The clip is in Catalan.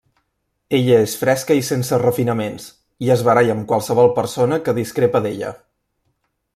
Ella és fresca i sense refinaments, i es baralla amb qualsevol persona que discrepa d'ella.